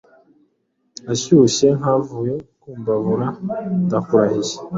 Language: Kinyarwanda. Ashyushe nkavuye kumbabura ndakurahiye